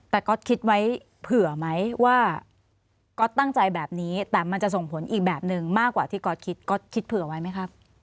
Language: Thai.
แต่ก๊อตคิดไว้เผื่อไหมว่าก๊อตตั้งใจแบบนี้แต่มันจะส่งผลอีกแบบหนึ่งมากกว่าที่ก๊อตคิดก๊อตคิดเผื่อไว้ไหมครับ